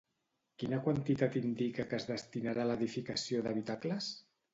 Quina quantitat indica que es destinarà a l'edificació d'habitacles?